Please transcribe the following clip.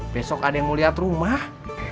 besok ada yang mau lihat rumah